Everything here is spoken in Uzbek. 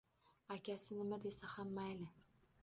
Akasi nima desa ham mayli